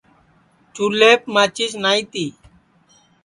چولھیپ ماچِس نائی تی